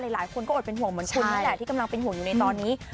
หลายคนก็อดเป็นห่วงเหมือนคุณนั่นแหละที่กำลังเป็นห่วงอยู่ในตอนนี้